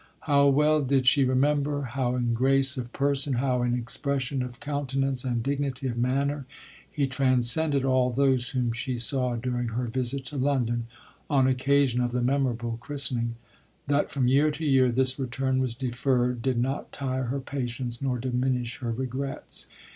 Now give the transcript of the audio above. How well did she remember, how in grace of person, how in expression of coun tenance, and dignity of manner, he transcended all those whom she saw during her visit to Lon don, on occasion of the memorable christening : that from year to year this return was deferred, did not tire her patience, nor diminish her regrets.